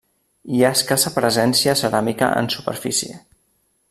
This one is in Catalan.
Hi ha escassa presència ceràmica en superfície.